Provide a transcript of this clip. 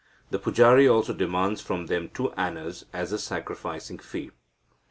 The pujari also demands from them two annas as his sacrificing fee."